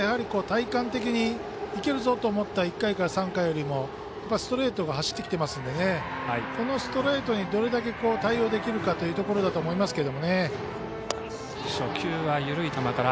体感的に、いけるぞと思った１回から３回よりもストレートが走ってきてますのでこのストレートにどれだけ対応できるかというところだと思います。